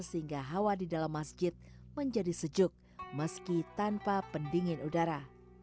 sehingga hawa di dalam masjid menjadi sejuk meski tanpa pendingin udara